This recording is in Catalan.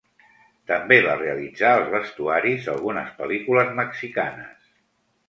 També va realitzar els vestuaris d'algunes pel·lícules mexicanes.